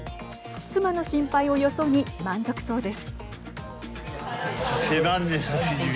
妻の心配をよそに満足そうです。